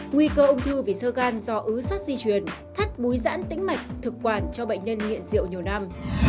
nguy cơ ung thư vì sơ gan do ứ sát di chuyển thắt búi dãn tĩnh mạch thực quản cho bệnh nhân nghiện diệu nhiều năm